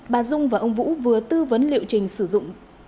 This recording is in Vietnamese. bà dung và ông vũ vừa tư vấn liệu trình sử dụng